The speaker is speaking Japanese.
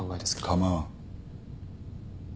構わん。